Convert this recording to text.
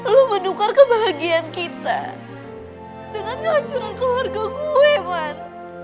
lu mendukar kebahagiaan kita dengan kehancuran keluarga gue man